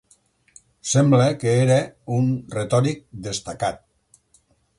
Sembla que era un retòric destacat.